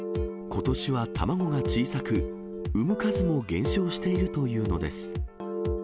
ことしは卵が小さく、産む数も減少しているというのです。